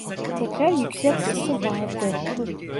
Tekrar yüksek sesle bağırdı...